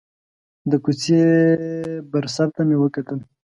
د کوڅې بر سر ته مې وکتل.